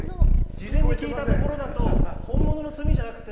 事前に聞いたところだと、本物の炭じゃなくて。